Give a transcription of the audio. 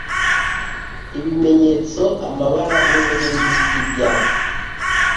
Ibimenyetso, amabara n’ubunini by’ibyapa